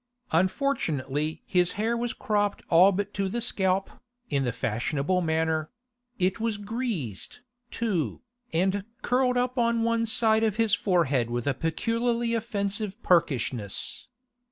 Unfortunately his hair was cropped all but to the scalp, in the fashionable manner; it was greased, too, and curled up on one side of his forehead with a peculiarly offensive perkishness.